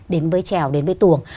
đến với trèo đến với tuồng